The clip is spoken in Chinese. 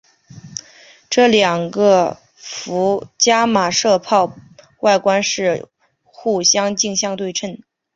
这两个伽玛射线泡外观是互相镜像对称。